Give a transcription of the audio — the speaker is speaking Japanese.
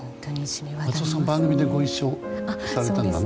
松尾さんも番組でご一緒されたんですよね。